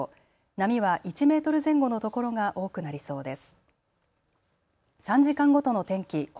波は１メートル前後の所が多くなりそうです。